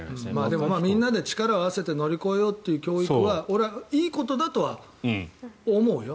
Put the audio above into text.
でもみんなで力を合わせて乗り越えようという教育は俺はいいことだとは思うよ。